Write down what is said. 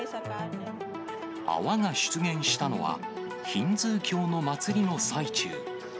泡が出現したのは、ヒンズー教の祭りの最中。